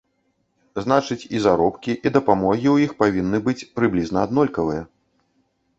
Значыць, і заробкі, і дапамогі ў іх павінны быць прыблізна аднолькавыя.